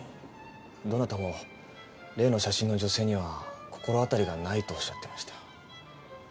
どなたも例の写真の女性には心当たりがないとおっしゃってました。